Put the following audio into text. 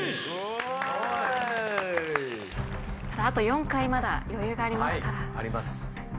あと４回まだ余裕がありますから。